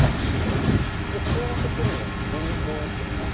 じゃあ幸せプリンはどうなってるんですか？